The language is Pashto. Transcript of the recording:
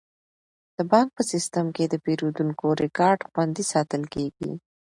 د بانک په سیستم کې د پیرودونکو ریکارډ خوندي ساتل کیږي.